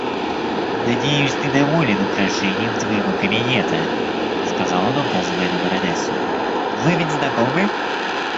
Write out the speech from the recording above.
Надеюсь, ты доволен украшением твоего кабинета, — сказал он, указывая на баронессу.— Вы ведь знакомы?